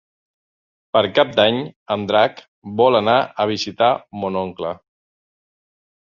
Per Cap d'Any en Drac vol anar a visitar mon oncle.